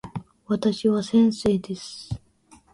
私は先生です。